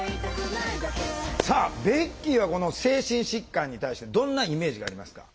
さあベッキーはこの精神疾患に対してどんなイメージがありますか？